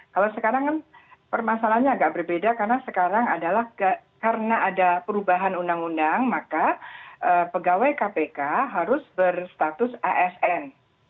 kalau sekarang kan permasalahannya agak berbeda karena sekarang adalah karena ada perubahan undang undang maka pegawai kpk harus berstatus asn